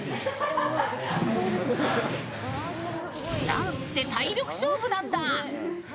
ダンスって体力勝負なんだ！